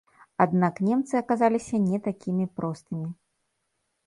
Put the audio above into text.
Аднак немцы аказаліся не такімі простымі.